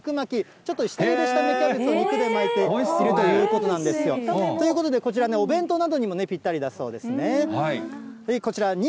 ちょっと下ゆでした芽キャベツを肉で巻いて、するということなんですよ。ということでこちら、お弁当にもぴったりだそうですね。